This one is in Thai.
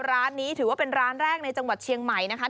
ร้านนี้ถือว่าเป็นร้านแรกในจังหวัดเชียงใหม่นะคะ